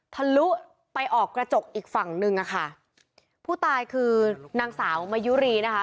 ทะลุไปออกกระจกอีกฝั่งหนึ่งอ่ะค่ะผู้ตายคือนางสาวมายุรีนะคะ